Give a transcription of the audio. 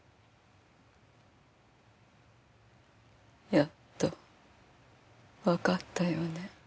やっとわかったようね。